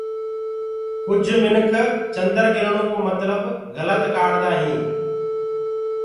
ڪُج منک چنڊگِرڻو ڪو متلب گلت ڪآردآ هينٚ